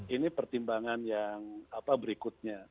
ini pertimbangan yang berikutnya